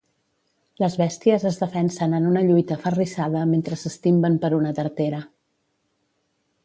Les bèsties es defensen en una lluita aferrissada mentre s’estimben per una tartera.